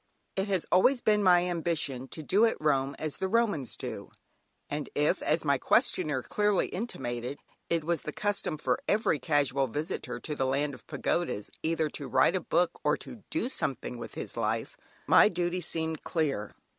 It has always been my ambition to do at Rome as the Romans do, and if, as my questioner clearly intimated, it was the custom for every casual visitor to the Land of Pagodas either to write a book or to "do something with his life," my duty seemed clear.